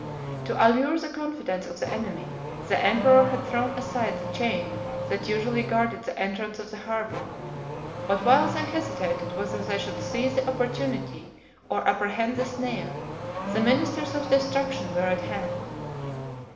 To allure the confidence of the enemy, the emperor had thrown aside the chain that usually guarded the entrance of the harbor; but while they hesitated whether they should seize the opportunity, or apprehend the snare, the ministers of destruction were at hand.